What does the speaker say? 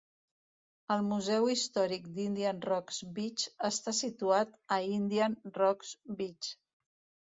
El Museu Històric d'Indian Rocks Beach està situat a Indian Rocks Beach.